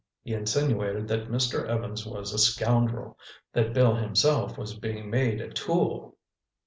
He insinuated that Mr. Evans was a scoundrel, that Bill himself was being made a tool.